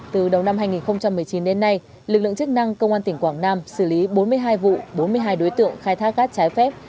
từ đầu năm hai nghìn một mươi chín đến nay lực lượng chức năng công an tỉnh quảng nam xử lý bốn mươi hai vụ bốn mươi hai đối tượng khai thác cát trái phép